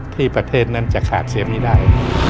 ประเทศนั้นจะขาดเสียไม่ได้